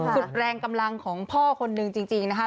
สุดแรงกำลังของพ่อคนนึงจริงนะคะ